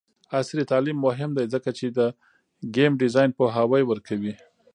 عصري تعلیم مهم دی ځکه چې د ګیم ډیزاین پوهاوی ورکوي.